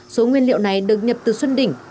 số nguyên liệu này được nhập từ xuân đỉnh